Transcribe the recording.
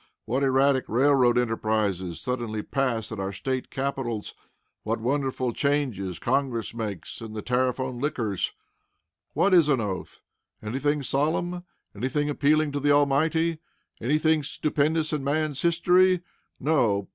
What erratic railroad enterprises suddenly pass at our State capitals! What wonderful changes Congress makes in the tariff on liquors! What is an oath? Anything solemn? Anything appealing to the Almighty? Anything stupendous in man's history? No!